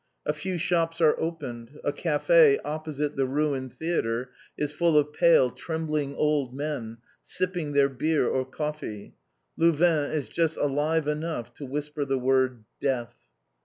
A few shops are opened, a café opposite the ruined theatre is full of pale, trembling old men, sipping their byrrh or coffee; Louvain is just alive enough to whisper the word "_Death!